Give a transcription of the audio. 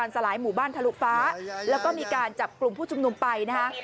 สลายหมู่บ้านทะลุฟ้าแล้วก็มีการจับกลุ่มผู้ชุมนุมไปนะฮะ